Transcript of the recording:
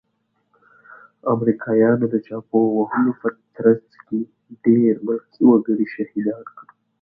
امريکايانو د چاپو وهلو په ترڅ کې ډير ملکي وګړي شهيدان کړل.